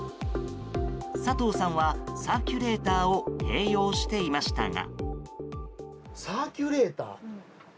佐藤さんは、サーキュレーターを併用していましたが。